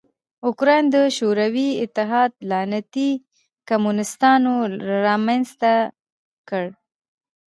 اوکراین د شوروي اتحاد لعنتي کمونستانو رامنځ ته کړ.